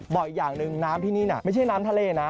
บอกอีกอย่างหนึ่งน้ำที่นี่น่ะไม่ใช่น้ำทะเลนะ